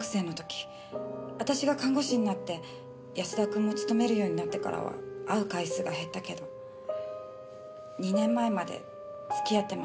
私が看護師になって安田君も勤めるようになってからは会う回数が減ったけど２年前まで付き合ってました。